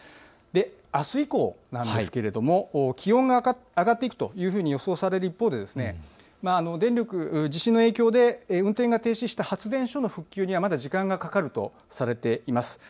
あす以降はなんですが気温が上がっていくというふうに予想される一方で、地震の影響で運転が停止した発電所の復旧にはまだ時間がかかるとされています。